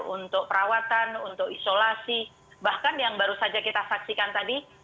untuk perawatan untuk isolasi bahkan yang baru saja kita saksikan tadi